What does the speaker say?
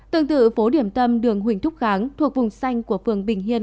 tương tự phố điểm tâm đường huỳnh thúc kháng thuộc vùng xanh của phường bình hiê